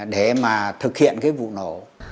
để mà thực hiện cái vụ nổ